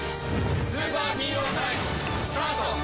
スーパーヒーロータイムスタート！